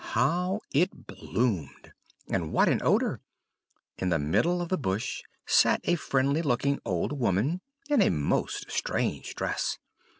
How it bloomed! And what an odour! In the middle of the bush sat a friendly looking old woman in a most strange dress.